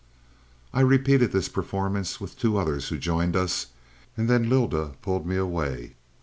"I repeated this performance with two others who joined us, and then Lylda pulled me away.